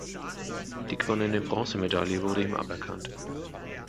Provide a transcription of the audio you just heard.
Die gewonnene Bronzemedaille wurde ihm aberkannt.